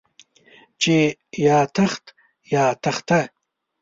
چې يا تخت يا تخته.